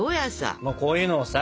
こういうのをさ。